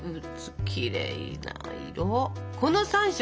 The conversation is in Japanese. きれいな色。